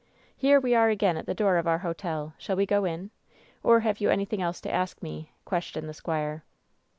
Here we are again at the door of our hotel. Shall we go in ? Or have you anything else to ask me ?" questioned the squire.